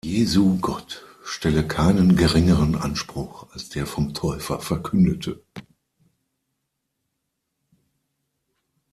Jesu Gott stelle keinen geringeren Anspruch als der vom Täufer verkündete.